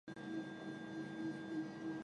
莫鲁阿古杜是巴西圣保罗州的一个市镇。